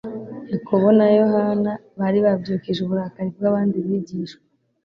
Yakobo na Yohana bari babyukije uburakari bw'abandi bigishwa